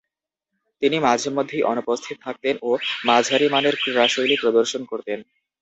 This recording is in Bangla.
তিনি মাঝে-মধ্যেই অনুপস্থিত থাকতেন ও মাঝারিমানের ক্রীড়াশৈলী প্রদর্শন করতেন।